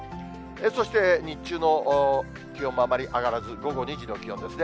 そして日中の気温もあまり上がらず、午後２時の気温ですね。